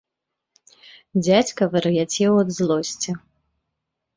Дзядзька вар'яцеў ад злосці.